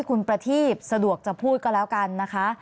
คุณประทีบขอแสดงความเสียใจด้วยนะคะ